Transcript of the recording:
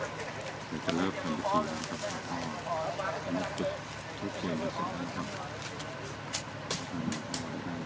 นำวิทยาลัยศึกภูมิมากกว่าตัวแล้วเพราะว่าพระราชกรรมภาพที่พระราชจุดใหม่มันค่อนข้างจะลำบากไม่ถึงครับ